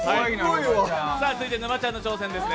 続いて沼ちゃんの挑戦ですね。